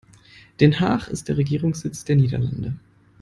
Den Haag ist der Regierungssitz der Niederlande.